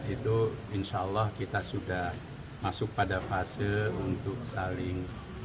itu insyaallah kita sudah masuk pada fase untuk saling berhidup fitri